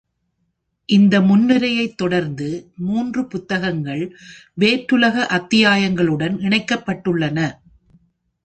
இந்த முன்னுரையைத் தொடர்ந்து மூன்று புத்தகங்கள், வேற்றுலக அத்தியாயங்களுடன் இணைக்கப்பட்டுள்ளன.